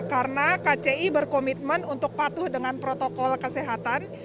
karena kci berkomitmen untuk patuh dengan protokol kesehatan